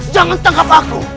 jangan tangkap aku